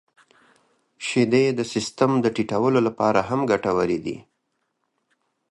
• شیدې د سیستم د ټيټولو لپاره هم ګټورې دي.